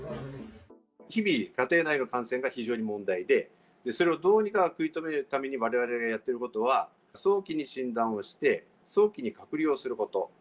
日々、家庭内の感染が非常に問題で、それをどうにか食い止めるために、われわれがやってることは、早期に診断をして、早期に隔離をすること。